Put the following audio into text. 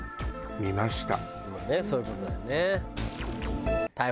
まあねそういう事だよね。